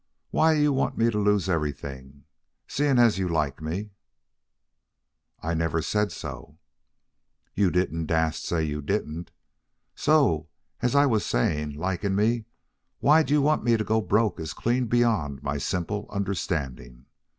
Why you want me to lose everything, seeing as you like me " "I never said so." "You didn't dast say you didn't. So, as I was saying: liking me, why you'd want me to go broke is clean beyond my simple understanding.